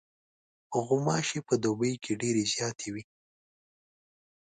غوماشې په دوبي کې ډېرې زیاتې وي.